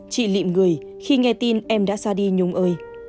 chị lịm người khi nghe tin em đã xa đi nhung ơi